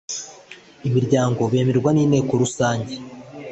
imiryango bemerwa n inteko rusange